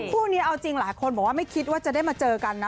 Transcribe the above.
คู่นี้เอาจริงหลายคนบอกว่าไม่คิดว่าจะได้มาเจอกันนะ